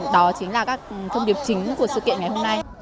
đó chính là các thông điệp chính của sự kiện ngày hôm nay